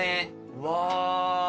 うわ。